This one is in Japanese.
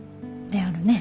であるね。